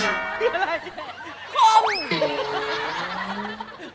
คมเป็นแผนกว่าไงว่ะ